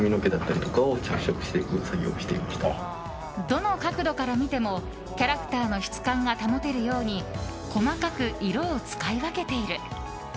どの角度から見てもキャラクターの質感が保てるように細かく色を使い分けている。